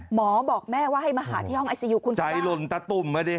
หมอบอกแม่ว่าให้มาหาที่ห้องไอซียูคนเป็นแม่